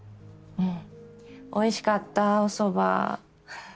うん。